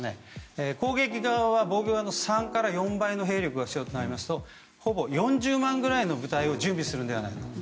攻撃側は防御側の３から４倍の兵力が必要となりますとほぼ４０万ぐらいの部隊を準備するのではないかと。